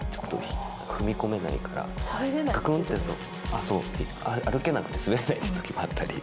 踏み込めないから、右ひざがかくんって、そう。歩けなくて滑れないときもあったり。